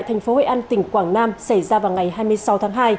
thành phố hội an tỉnh quảng nam xảy ra vào ngày hai mươi sáu tháng hai